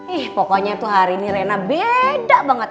ih pokoknya tuh hari ini rena beda banget